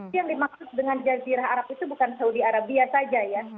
yang dimaksud dengan jazirah arab itu bukan saudi arabia saja ya